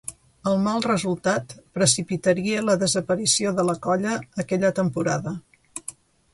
El mal resultat precipitaria la desaparició de la colla aquella temporada.